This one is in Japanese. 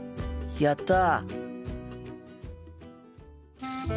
やった！